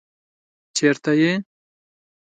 چېرته يې؟